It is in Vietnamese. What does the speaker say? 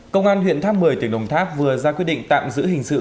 công an huyện tháp một mươi tỉnh đồng tháp vừa ra quyết định tạm giữ hình sự